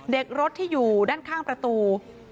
เด็กรถที่อยู่ด้านข้างประตู